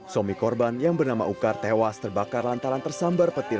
suami korban yang bernama ukar tewas terbakar lantaran tersambar petir